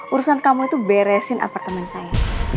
urusan kamu itu beresin apartemen saya